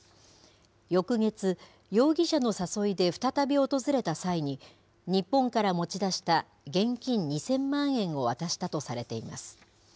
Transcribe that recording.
翌月、容疑者の誘いで再び訪れた際に、日本から持ち出した現金２０００万円を渡したとされています。